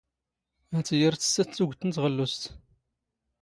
ⵀⴰⵜⵉ ⴰⵔ ⵜⵙⵙⴰⴷ ⵜⵓⴳⵜ ⵏ ⵜⵖⵍⵓⵙⵜ.